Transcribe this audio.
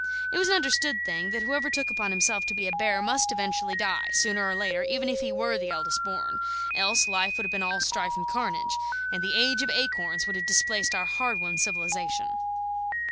It was an understood thing, that whoever took upon himself to be a bear must eventually die, sooner or later, even if he were the eldest born; else, life would have been all strife and carnage, and the Age of Acorns have displaced our hard won civilisation.